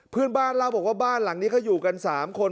เพื่อนบ้านเล่าบอกว่าบ้านหลังนี้เขาอยู่กัน๓คน